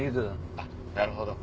あっなるほど。